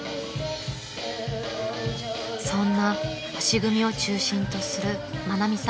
［そんな星組を中心とする愛美さん